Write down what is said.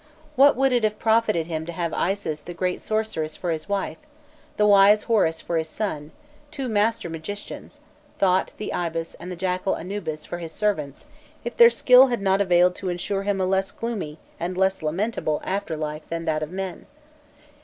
What would it have profited him to have Isis the great Sorceress for his wife, the wise Horus for his son, two master magicians Thot the Ibis and the jackal Anubis for his servants, if their skill had not availed to ensure him a less gloomy and less lamentable after life than that of men.